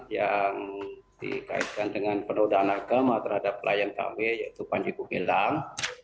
yang dikaitkan dengan penodaan agama terhadap klien kami yaitu panji gumilang